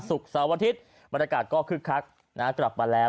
เสาร์อาทิตย์บรรยากาศก็คึกคักกลับมาแล้ว